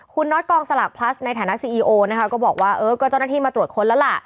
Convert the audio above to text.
คุณน็อตกองสลากพลัสในฐานะซีอีโอนะคะก็บอกว่าเออก็เจ้าหน้าที่มาตรวจค้นแล้วล่ะ